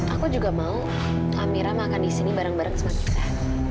aku juga mau amirah makan di sini bareng bareng sama kita